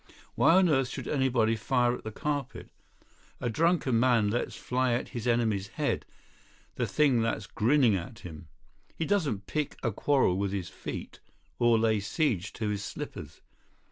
Why on earth should anybody fire at the carpet? A drunken man lets fly at his enemy's head, the thing that's grinning at him. He doesn't pick a quarrel with his feet, or lay siege to his slippers.